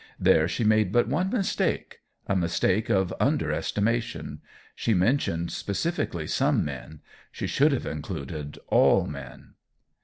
There she made but one mistake a mistake of under estimation. She mentioned specifically some men; she should have included all men.